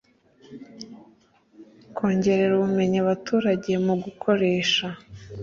Kongerera ubumenyi abaturage mu gukoresha